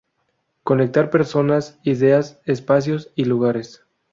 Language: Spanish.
Conectar personas, ideas, espacios y lugares.